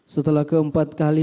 setelah keempat kali